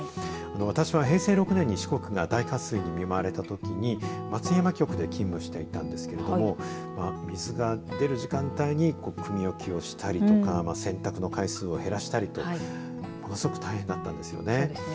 私は平成６年に四国が大渇水にみまわれたときに松山局で勤務していたんですけれども水が出る時間帯にくみおきをしたりとか洗濯の回数を減らしたりとものすごく大変だったんですよね。